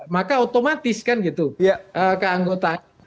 maka otomatis kan gitu ke anggotanya